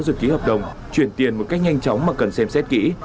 rồi ký hợp đồng chuyển tiền một cách nhanh chóng mà cần xem xét kỹ